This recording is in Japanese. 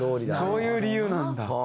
そういう理由なんだ。